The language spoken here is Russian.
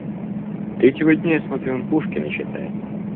Третьего дня, я смотрю, он Пушкина читает.